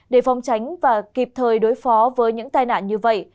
để phòng tránh và kịp thời đối phó với những tai nạn như vậy